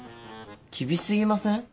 厳しすぎません？